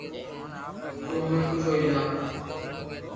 تو ھمي خوݾ ھوئي جا